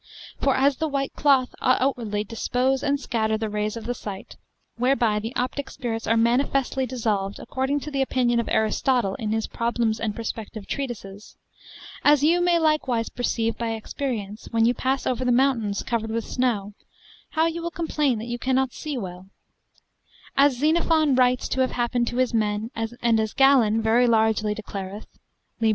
For, as the white doth outwardly disperse and scatter the rays of the sight, whereby the optic spirits are manifestly dissolved, according to the opinion of Aristotle in his problems and perspective treatises; as you may likewise perceive by experience, when you pass over mountains covered with snow, how you will complain that you cannot see well; as Xenophon writes to have happened to his men, and as Galen very largely declareth, lib.